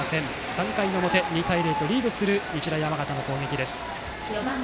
３回の表、２対０とリードする日大山形の攻撃です。